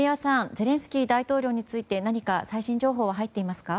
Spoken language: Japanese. ゼレンスキー大統領について何か最新情報は入っていますか？